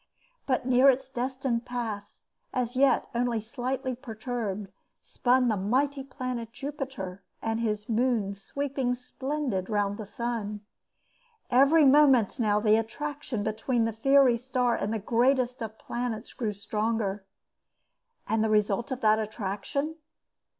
But near its destined path, as yet only slightly perturbed, spun the mighty planet Jupiter and his moons sweeping splendid round the sun. Every moment now the attraction between the fiery star and the greatest of the planets grew stronger. And the result of that attraction?